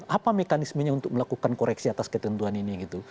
apa mekanismenya untuk melakukan koreksi atas ketentuan ini gitu